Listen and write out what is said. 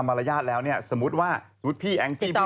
เพราะว่าตอนนี้ก็ไม่มีใครไปข่มครูฆ่า